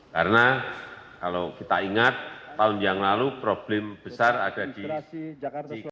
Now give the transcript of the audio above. karena kalau kita ingat tahun yang lalu problem besar ada di jakarta